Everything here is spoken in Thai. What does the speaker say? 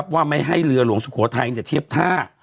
ว่าไม่ให้เรือหลวงสุโขทัยเทียบท่า